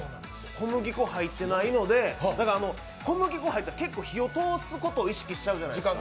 小麦粉入ってないので、小麦粉入ってたら結構火を通すことを意識しちゃうじゃないですか。